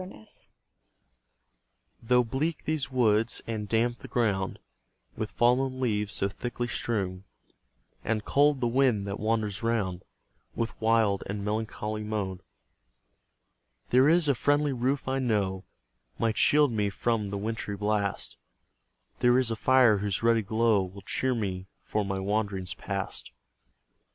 Though bleak these woods, and damp the ground With fallen leaves so thickly strown, And cold the wind that wanders round With wild and melancholy moan; There IS a friendly roof, I know, Might shield me from the wintry blast; There is a fire, whose ruddy glow Will cheer me for my wanderings past.